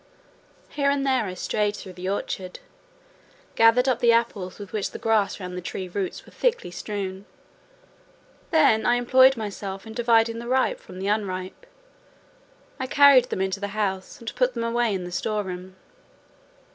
Here and there I strayed through the orchard, gathered up the apples with which the grass round the tree roots was thickly strewn; then I employed myself in dividing the ripe from the unripe; I carried them into the house and put them away in the store room.